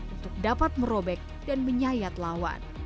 untuk dapat merobek dan menyayat lawan